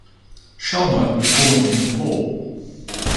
Sharma was born in Nepal.